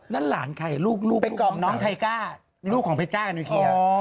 แล้วหลานใครลูกเป็นกล่องน้องไทก้าลูกของเพชรจ้ากันอยู่เคียว